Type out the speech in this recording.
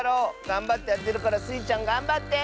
がんばってあてるからスイちゃんがんばって！